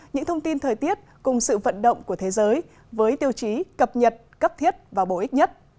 những thông tin thời tiết cùng sự vận động của thế giới với tiêu chí cập nhật cấp thiết và bổ ích nhất